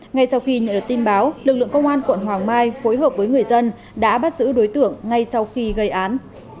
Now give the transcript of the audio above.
ngay sau khi nhận được tin báo lực lượng công an quận hoàng mai phối hợp với người dân đã bắt giữ đối tượng ngay sau khi gây án